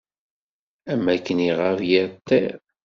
Am akken iɣab yir ṭṭir.